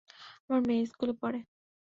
আমার মেয়ে এই স্কুলে পড়ে।